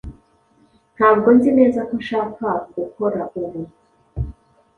Ntabwo nzi neza ko nshaka gukora ubu.